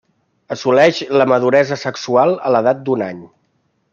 Assoleix la maduresa sexual a l'edat d'un any.